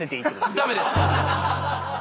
ダメです！